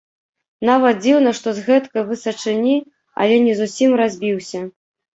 Нават дзіўна, што з гэткай высачыні, але не зусім разбіўся!